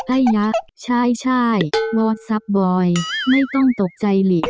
ไอ้ยะใช่มอดซับบอยไม่ต้องตกใจหลี